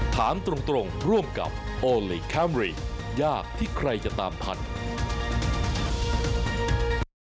ถามตรงร่วมกับโอลี่คัมรี่ยากที่ใครจะตามพันธุ์